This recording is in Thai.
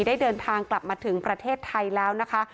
ได้เดินทางกลับมาถึงประเทศไทยแล้วนะคะ